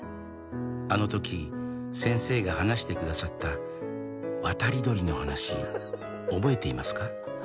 「あの時先生が話してくださった渡り鳥の話」「覚えていますか？」